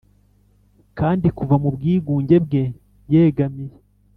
kandi kuva mu bwigunge bwe yegamiye,